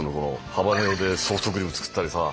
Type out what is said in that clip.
ハバネロでソフトクリーム作ったりさ。